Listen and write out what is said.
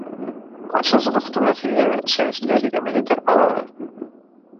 Quan surts a la fotografia et sents lògicament interpel·lada.